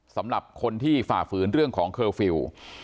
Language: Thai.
สำหรับคนที่ฝ่าฝืนเรื่องของเคอร์ฟิลล์